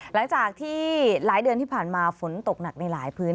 หลังจากที่หลายเดือนที่ผ่านมาฝนตกหนักในหลายพื้นที่